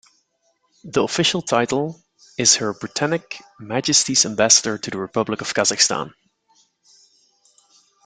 The official title is Her Britannic Majesty's Ambassador to the Republic of Kazakhstan.